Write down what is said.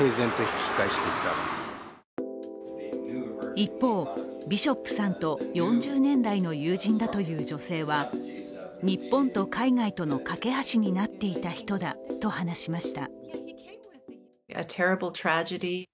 一方、ビショップさんと４０年来の友人だという女性は日本と海外との懸け橋になっていた人だと話しました。